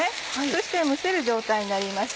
そして蒸せる状態になります。